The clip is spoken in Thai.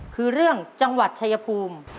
คือเรื่องจังหวัดชายภูมิ